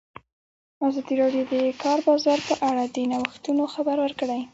ازادي راډیو د د کار بازار په اړه د نوښتونو خبر ورکړی.